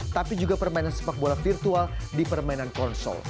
tapi juga permainan sepak bola virtual di permainan konsol